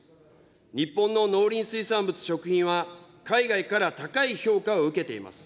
日本の農林水産物・食品は、海外から高い評価を受けています。